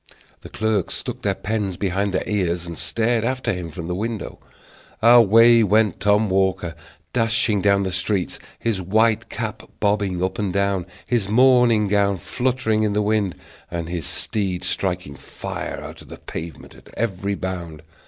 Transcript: The clerks stuck their pens behind their ears, and stared after him from the windows. Away went Tom Walker, dashing down the streets, his white cap bobbing up and down, his morning gown fluttering in the wind, and his steed striking fire out of the pavement at every bound.